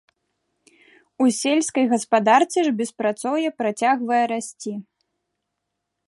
У сельскай гаспадарцы ж беспрацоўе працягвае расці.